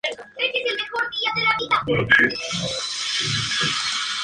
Estas aeronaves lanzaron veinte torpedos contra el acorazado pero todo fracasaron.